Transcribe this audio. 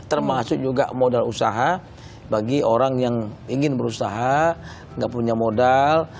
termasuk juga modal usaha bagi orang yang ingin berusaha nggak punya modal